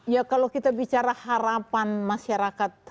ya kalau kita bicara harapan masyarakat